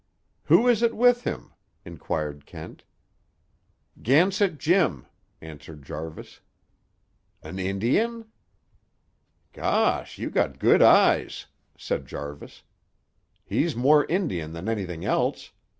"Who is it with him?" inquired Kent. "Gansett Jim," answered Jarvis. "An Indian?" "Gosh! You got good eyes!" said Jarvis. "He's more Indian than anything else.